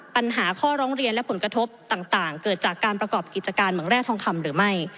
ปัญหาข้อร้องเรียนและผลกระทบต่างเกิดจากการประกอบกิจการเมืองแร่ทองคำหรือไม่